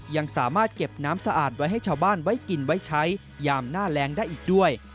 ยังสามารถเก็บน้ำสะอาดไว้ให้ชาวบ้านเคยได้กินใช้ยามงานแรงได้อย่างงั้น